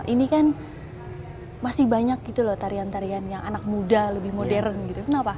ini kan masih banyak tarian tarian yang anak muda lebih modern kenapa